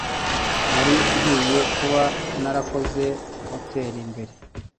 Nari nkwiye kuba narakoze hoteri mbere.